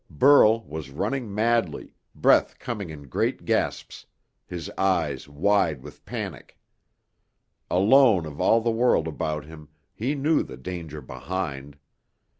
Burl was running madly, breath coming in great gasps, his eyes wide with panic. Alone of all the world about him, he knew the danger behind.